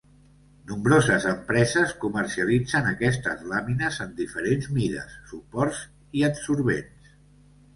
Nombroses empreses comercialitzen aquestes làmines en diferents mides, suports i adsorbents.